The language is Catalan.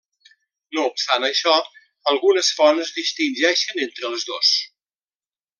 No obstant això, algunes fonts distingeixen entre els dos.